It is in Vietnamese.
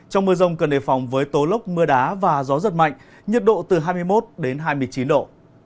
trong mưa rông cần đề phòng với tố lốc mưa đá và gió giật mạnh nhiệt độ từ hai mươi một đến hai mươi chín độ